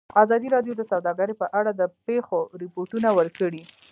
ازادي راډیو د سوداګري په اړه د پېښو رپوټونه ورکړي.